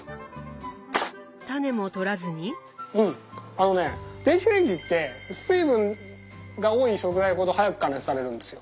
あのね電子レンジって水分が多い食材ほど早く加熱されるんですよ。